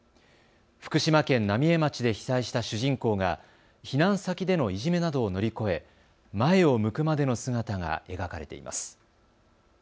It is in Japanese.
福島県浪江町で被災した主人公が避難先でのいじめなどを乗り越え前を向くまでの姿が描かれています。